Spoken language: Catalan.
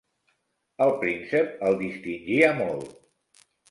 El príncep el distingia molt.